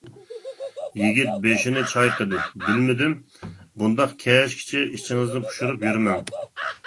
يىگىت بېشىنى چايقىدى: بىلمىدىم. بۇنداق كەچكىچە ئىچىڭىزنى پۇشۇرۇپ يۈرمەڭ!